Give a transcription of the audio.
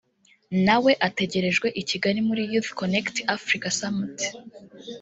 nawe ategerejwe i Kigali muri Youth “Connekt Africa Summit”